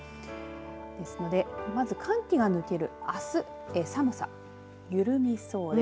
ですので、まず寒気が抜けるあす寒さ、緩みそうです。